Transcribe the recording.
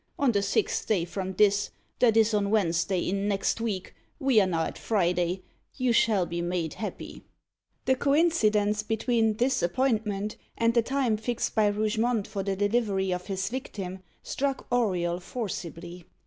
On the sixth day from this that is, on Wednesday in next week we are now at Friday you shall be made happy." The coincidence between this appointment, and the time fixed by Rougemont for the delivery of his victim, struck Auriol forcibly.